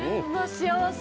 幸せ